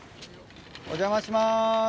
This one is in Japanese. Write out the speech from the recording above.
お邪魔します。